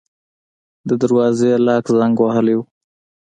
د دروازې لاک زنګ وهلی و.